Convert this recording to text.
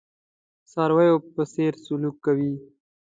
څارویو په څېر سلوک کوي.